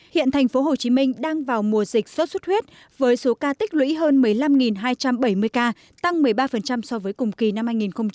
hiện tp hcm đang vào mùa dịch sốt xuất huyết với số ca tích lũy hơn một mươi năm hai trăm bảy mươi ca tăng một mươi ba so với cùng kỳ năm hai nghìn một mươi tám